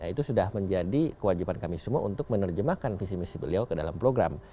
itu sudah menjadi kewajiban kami semua untuk menerjemahkan visi misi beliau ke dalam program